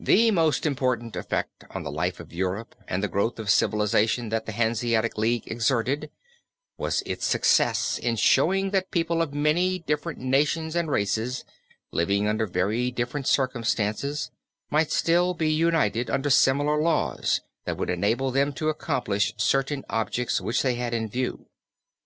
The most important effect on the life of Europe and the growth of civilization that the Hanseatic League exerted, was its success in showing that people of many different nations and races, living under very different circumstances, might still be united under similar laws that would enable them to accomplish certain objects which they had in view.